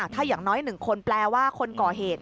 ถ้าอย่างน้อย๑คนแปลว่าคนก่อเหตุ